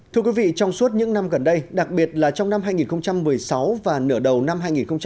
thưa quý vị trong suốt những năm gần đây đặc biệt là trong năm hai nghìn một mươi sáu và nửa đầu năm hai nghìn một mươi tám